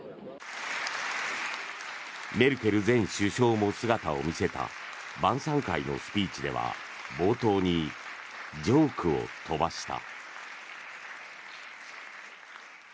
メルケル前首相も姿を見せた晩さん会のスピーチでは冒頭にジョークを飛ばした。